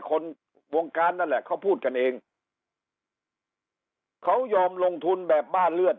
คนวงการนั่นแหละเขาพูดกันเองเขายอมลงทุนแบบบ้านเลือด